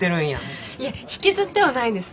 いや引きずってはないです。